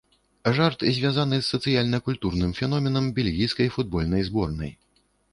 Жарт звязаны з сацыяльна-культурным феноменам бельгійскай футбольнай зборнай.